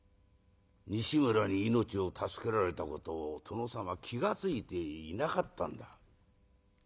西村に命を助けられたことを殿様気が付いていなかったんだ。